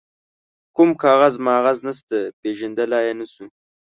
کوم کاغذ ماغذ نشته، پيژندلای يې نه شو.